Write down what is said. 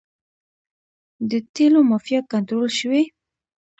د تیلو مافیا کنټرول شوې؟